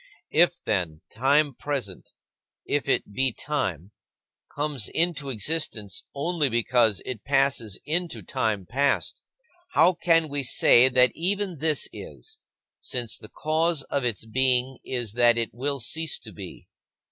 If, then, time present if it be time comes into existence only because it passes into time past, how can we say that even this is, since the cause of its being is that it will cease to be?